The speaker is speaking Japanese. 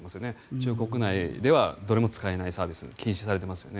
中国企業ではどれも使えないサービス禁止されていますよね。